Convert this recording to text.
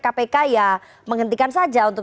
kpk ya menghentikan saja untuk